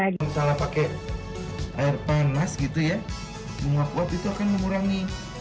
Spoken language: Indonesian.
misalnya pakai air panas mengakuat itu akan mengurangi